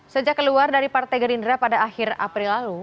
sejak keluar dari partai gerindra pada akhir april lalu